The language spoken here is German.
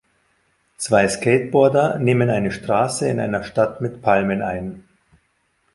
Zwei Skateboarder nehmen eine Straße in einer Stadt mit Palmen ein.